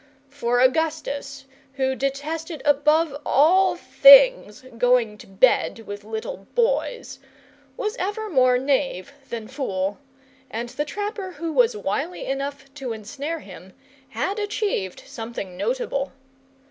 For Augustus, who detested above all things going to bed with little boys, was ever more knave than fool, and the trapper who was wily enough to ensnare him had achieved something notable.